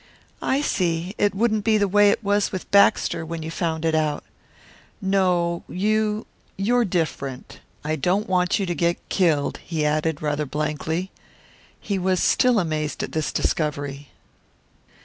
"I see; it wouldn't be the way it was with Baxter when you found it out." "No; you you're different. I don't want you to get killed," he added, rather blankly. He was still amazed at this discovery.